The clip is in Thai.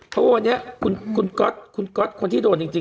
เพราะว่าวันนี้คุณก๊อตคนที่โดนจริง